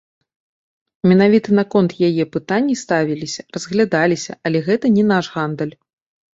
Менавіта наконт яе пытанні ставіліся, разглядаліся, але гэта не наш гандаль.